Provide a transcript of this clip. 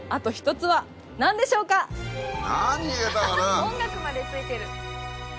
音楽までついてる。